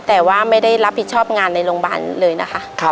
แต่ว่าไม่ได้รับผิดชอบงานในโรงพยาบาลเลยนะคะ